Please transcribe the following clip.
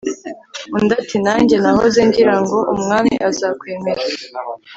undi ati 'nanjye nahoze ngira ngo umwami azakwemera